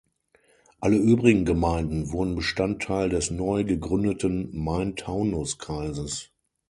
Alle übrigen Gemeinden wurden Bestandteil des neu gegründeten Main-Taunus-Kreises.